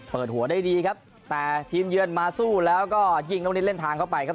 เปิดหัวได้ดีครับแต่ทีมเยือนมาสู้แล้วก็ยิงน้องนิดเล่นทางเข้าไปครับ